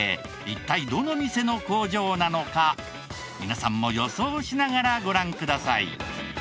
一体どの店の工場なのか皆さんも予想しながらご覧ください。